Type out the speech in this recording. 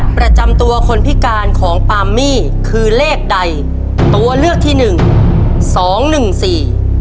ประจำตัวคนพิการของปามมี่คือเลขใดตัวเลือกที่หนึ่งสองหนึ่งสี่